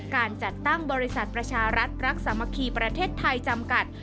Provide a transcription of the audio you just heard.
การจัดตั้งบริษัทประชารัฐรักสามัคคีประเทศไทยจำกัด